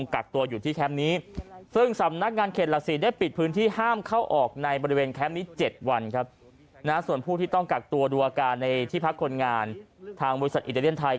การในที่พักคนงานทางบริษัทอิตาเลียนไทย